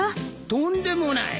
とんでもない。